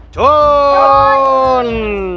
ชน